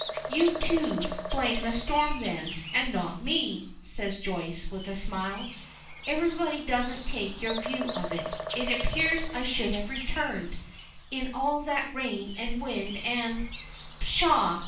"You, too, blame the storm, then, and not me," says Joyce, with a smile. "Everybody doesn't take your view of it. It appears I should have returned, in all that rain and wind and " "Pshaw!